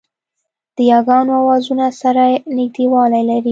د یاګانو آوازونه سره نږدېوالی لري